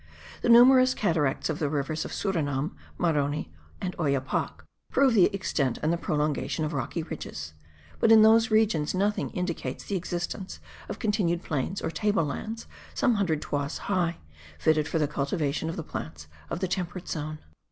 The numerous cataracts of the rivers of Surinam, Maroni and Oyapoc, prove the extent and the prolongation of rocky ridges; but in those regions nothing indicates the existence of continued plains or table lands some hundred toises high, fitted for the cultivation of the plants of the temperate zone.